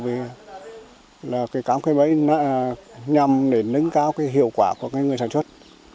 đối với cam khe mây nhằm để nâng cao hiệu quả của người sản xuất